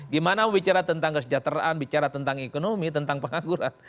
gimana bicara tentang kesejahteraan bicara tentang ekonomi tentang pengangguran